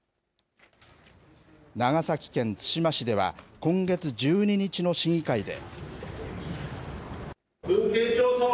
長崎県対馬市では、今月１２日の市議会で。